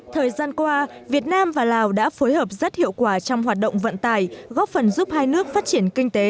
thời gian qua việt nam và lào đã phối hợp rất hiệu quả trong hoạt động vận tải góp phần giúp hai nước phát triển kinh tế